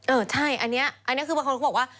เออใช่อันนี้อันนี้คือพวกเขาบอกว่า